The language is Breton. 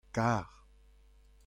kar.